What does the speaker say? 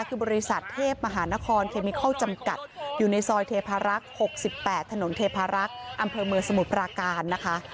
คือบริษัทเทพมหานครเคมิเคิลจำกัดอยู่ในซอยเทพารักษ์๖๘ถนนเทพารักษ์อำเภอเมืองสมุทรปราการนะคะ